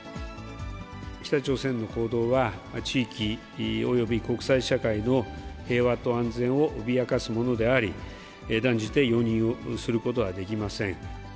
北朝鮮の行動は、地域および国際社会の平和と安全を脅かすものであり、断じて容認をすることはできません。